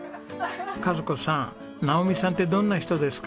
和子さん直己さんってどんな人ですか？